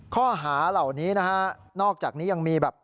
ข้อหาเหล่านี้นะฮะนอกจากนี้ยังมีแบบ